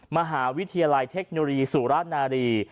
มหาวิทยาลัยเทคโนโลยีสุรนารี